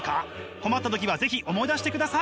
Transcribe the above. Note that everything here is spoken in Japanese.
困った時は是非思い出してください！